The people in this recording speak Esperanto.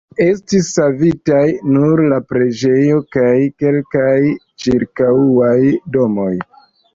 Estis savitaj nur la preĝejo kaj kelkaj ĉirkaŭaj domoj.